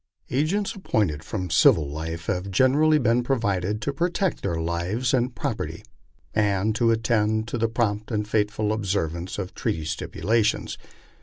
Agents, appointed from civil life, have generally been provided to protect their lives and proper ty, and to attend to the prompt and faithful observance of treaty stipulations.